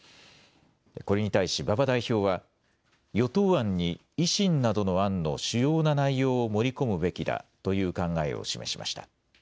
これに対し馬場代表は与党案に維新などの案の主要な内容を盛り込むべきだという考えを示しました。